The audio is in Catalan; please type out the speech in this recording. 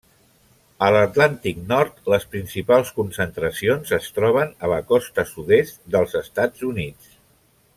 A l'Atlàntic nord, les principals concentracions es troben a la costa sud-est dels Estats Units.